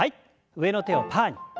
上の手をパーに。